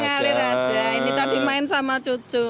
ini tadi main sama cucu